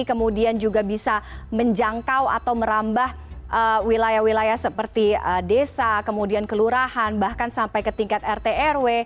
kemudian juga bisa menjangkau atau merambah wilayah wilayah seperti desa kemudian kelurahan bahkan sampai ke tingkat rt rw